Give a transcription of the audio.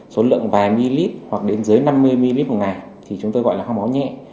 số lượng vài mililit hoặc đến dưới năm mươi mililit một ngày thì chúng tôi gọi là ho máu nhẹ